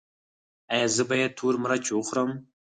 ایا زه باید تور مرچ وخورم؟